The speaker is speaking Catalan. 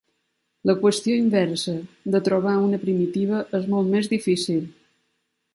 La qüestió inversa de trobar una primitiva és molt més difícil.